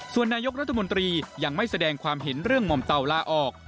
ส่วนนายกรัฐมนตรียังไม่แสดงความเห็นเรื่องหม่อมเตาลาออก